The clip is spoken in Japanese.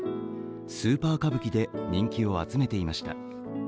スーパー歌舞伎で人気を集めていました。